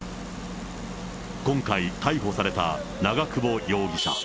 今回、逮捕された長久保容疑者。